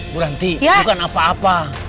bu ranti bukan apa apa